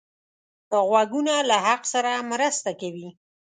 غوږونه له حق سره مرسته کوي